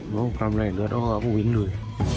ก็กลับมาเลยโดยต้องเอาพวกอีกเลย